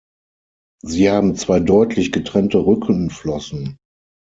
Sie haben zwei deutlich getrennte Rückenflossen.